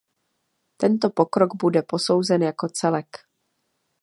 Tento pokrok bude posouzen jako celek.